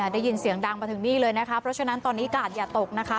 ได้ยินเสียงดังมาถึงนี่เลยนะคะเพราะฉะนั้นตอนนี้กาดอย่าตกนะคะ